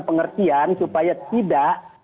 pengertian supaya tidak